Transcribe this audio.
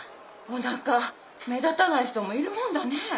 おなか目立たない人もいるもんだねぇ。